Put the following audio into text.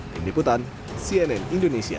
tim diputan cnn indonesia